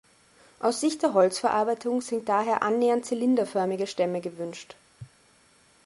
Aus Sicht der Holzverarbeitung sind daher annähernd zylinderförmige Stämme gewünscht.